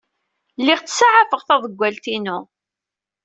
Lliɣ ttsaɛafeɣ taḍewwalt-inu.